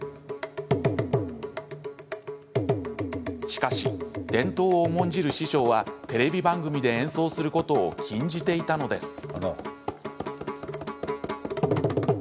しかし、伝統を重んじる師匠はテレビ番組で演奏することを禁じていたのです。